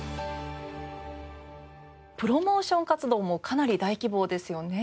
プロモーション活動もかなり大規模ですよね。